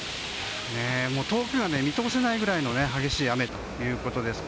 遠くが見通せないぐらいの激しい雨ということです。